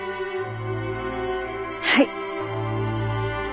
はい！